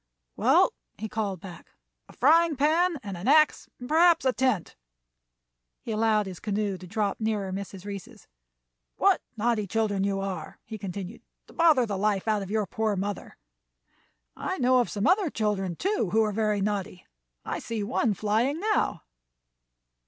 "Well," he called back, "a frying pan and an axe, and perhaps a tent." He allowed his canoe to drop nearer Mrs. Reece's. "What naughty children you are," he continued, "to bother the life out of your poor mother! I know of some other children, too, who are very naughty. I see one flying now."